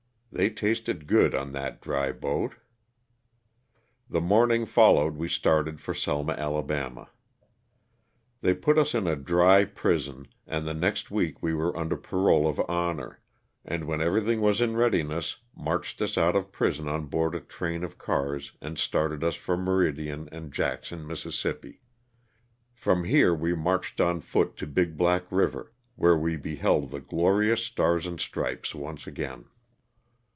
They tasted good on that dry boat. The morning following we started for Selma, Ala. They put us in a dry prison and the next week we were under parole of honor, and when everything was in readiness marched us out of prison on board a train of cars and started us for Meridian and Jackson, Miss. From here we marched on foot to Big Black river, where we beheld the glorious stars and stripes once again.